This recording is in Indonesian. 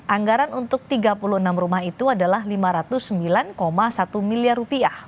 anggaran untuk tiga puluh enam rumah itu adalah rp lima ratus sembilan satu miliar rupiah